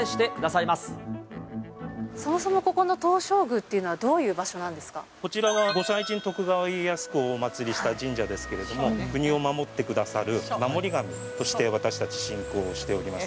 そもそもここの東照宮というこちらは御祭神、徳川家康公をお祭りした神社ですけれども、国を守ってくださる守り神として私たち信仰しております。